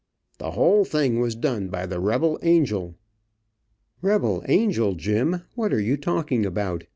"The whole thing was done by the rebel angel." "Rebel angel, Jim; what are you talking about?